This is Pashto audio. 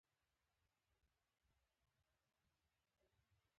حیوانات مختلف غږونه لري.